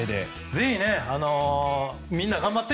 ぜひ、みんな頑張って！